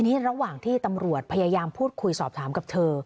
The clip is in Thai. นี่ระหว่างที่ตำรวจพยายามพูดคุยสอบถามกับเธอ